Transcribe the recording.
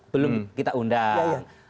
belum kita undang